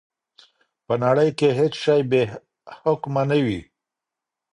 په نړۍ کي هیڅ شی بې حکمه نه وي.